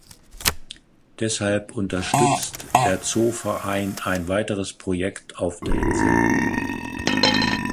Deshalb unterstützt der Zoo-Verein ein weiteres Projekt auf der Insel.